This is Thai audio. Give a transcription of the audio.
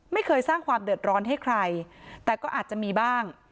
ไม่เคยสร้างความเดือดร้อนให้ใครแต่ก็อาจจะมีบ้าง